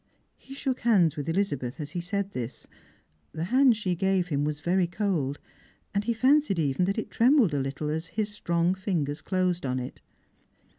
He shook hands with Elizabeth as he said tliia. The hand she gave him was very cold, and he fancied even that it trembled a little as his strong fingers closed on it.